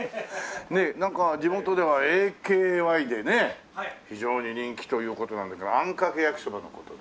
なんか地元ではＡＫＹでね非常に人気という事なんだけどあんかけ焼きそばの事で？